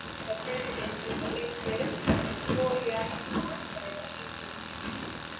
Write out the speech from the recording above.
The president is elected for a five-year term by the people.